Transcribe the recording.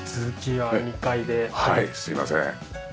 はいすいません。